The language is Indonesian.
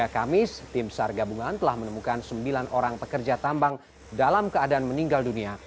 kamis tim sar gabungan telah menemukan sembilan orang pekerja tambang dalam keadaan meninggal dunia